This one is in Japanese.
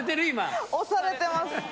今押されてます